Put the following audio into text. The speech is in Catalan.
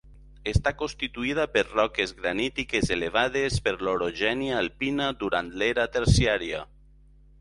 Està constituïda per roques granítiques elevades per l'orogènia alpina durant l'era terciària.